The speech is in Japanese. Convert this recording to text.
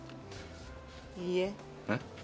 いいえ。